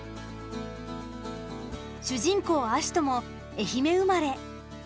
主人公・葦人も愛媛生まれ。